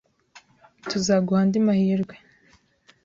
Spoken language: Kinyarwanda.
Tuzaguha andi mahirwe.